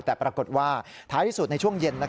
แต่ปรากฏว่าท้ายที่สุดในช่วงเย็น